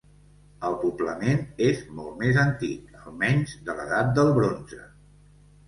El poblament és molt més antic, almenys de l'edat del bronze.